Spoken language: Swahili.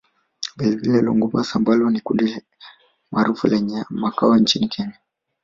Vilevile Longombas ambalo ni kundi maarufu lenye makao nchini Kenya